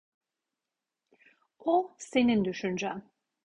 O senin düşüncen.